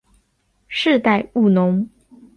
世代务农。